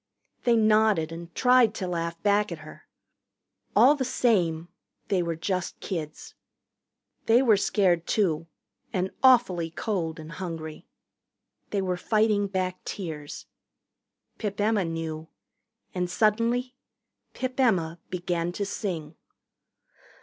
They nodded and tried to laugh back at her. All the same they were just kids. They were scared, too, and awfully cold and hungry. They were fighting back tears. Pip Emma knew. And suddenly Pip Emma began to sing.